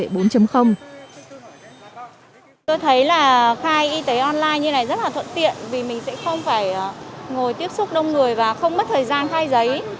tôi thấy là khai y tế online như này rất là thuận tiện vì mình sẽ không phải ngồi tiếp xúc đông người và không mất thời gian khai giấy